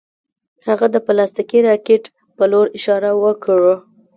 هغه د پلاستیکي راکټ په لور اشاره وکړه